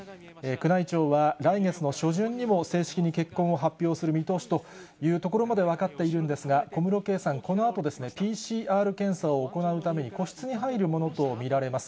宮内庁は来月の初旬にも、正式に結婚を発表する見通しというところまで分かっているんですが、小室圭さん、このあとＰＣＲ検査を行うために個室に入るものと見られます。